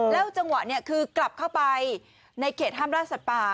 แล้วจังหวะนี้คือกลับเข้าไปในเขตห้ามล่าสัตว์ป่า